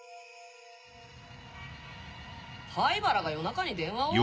灰原が夜中に電話を？